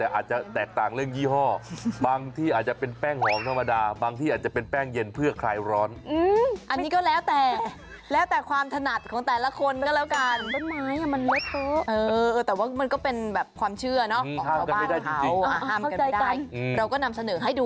เราก็นำเสนอให้ดูกันก็แล้วกันเนาะ